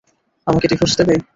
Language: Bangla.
আমাকে ডিভোর্স দেবে?